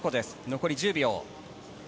残り１０秒。